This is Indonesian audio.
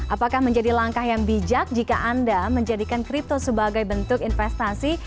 apakah menjadi langkah yang bijak jika anda menjadikan kripto sebagai bentuk investasi